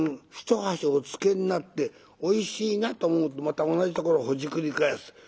一箸おつけになっておいしいなと思うとまた同じところをほじくり返す。